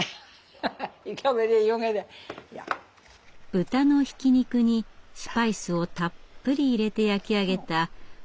豚のひき肉にスパイスをたっぷり入れて焼き上げたポルペトーネ。